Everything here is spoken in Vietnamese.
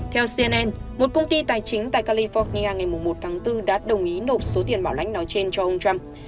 theo cnn một công ty tài chính tại california ngày một tháng bốn đã đồng ý nộp số tiền bảo lãnh nói trên cho ông trump